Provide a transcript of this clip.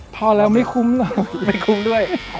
พอแล้วไม่คุ้มหรอกไม่คุ้มด้วย